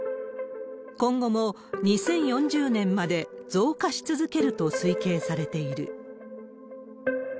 今後も２０４０年まで増加し続けると推計されている。